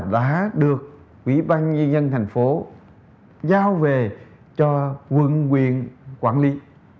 đã được quỹ ban dân thành phố giao về cho quận huyện quản lý